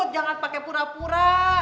jangan pake pura pura